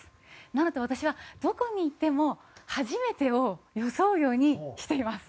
なので私はどこに行っても初めてを装うようにしています。